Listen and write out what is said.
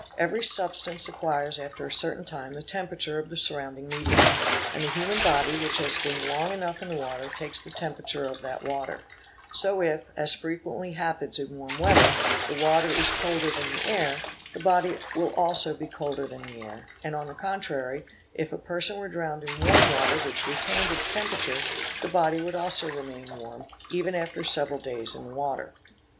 Every substance acquires after a certain time the temperature of the surrounding medium; and a human body which has been long enough in the water takes the temperature of that water; so if, as frequently happens in warm weather, the water is colder than the air, the body will also be colder than the air; and on the contrary, if a person were drowned in warm water which retained its temperature, the body would also remain warm, even' after several days in the water.